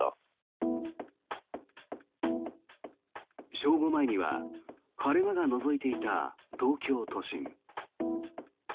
正午前には晴れ間がのぞいていた東京都心。